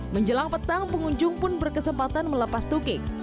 menjelang petang pengunjung pun berkesempatan melepas tukik